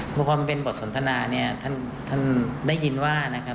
เพราะความเป็นบทสนทนาเนี่ยท่านได้ยินว่านะครับ